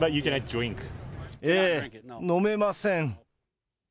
ええ、飲めません。